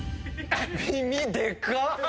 耳でかっ！